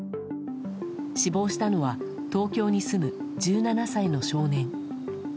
死亡したのは東京に住む１７歳の少年。